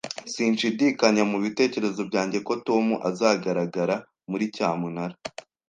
Sinshidikanya mubitekerezo byanjye ko Tom azagaragara muri cyamunara